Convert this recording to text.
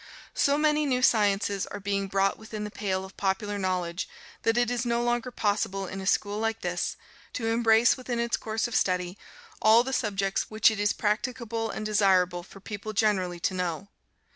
So many new sciences are being brought within the pale of popular knowledge, that it is no longer possible, in a school like this, to embrace within its course of study all the subjects which it is practicable and desirable for people generally to know.